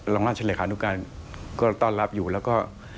ราชเลขานุการก็ต้อนรับอยู่แล้วก็